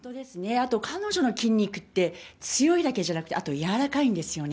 あと彼女の筋肉って、強いだけじゃなくて、あと柔らかいんですよね。